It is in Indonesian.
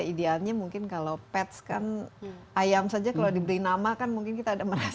idealnya mungkin kalau pets kan ayam saja kalau diberi nama kan mungkin kita ada merasa